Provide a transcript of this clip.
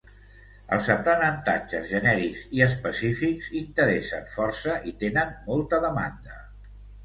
Els aprenentatges genèrics i específics interessen força i tenen molta demanda.